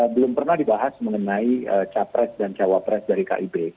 belum pernah dibahas mengenai capres dan cawapres dari kib